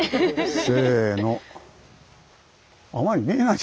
せの。